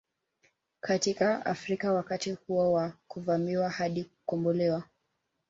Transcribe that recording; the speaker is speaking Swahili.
Katika Afrika wakati huo wa kuvamiwa hadi kukombolewa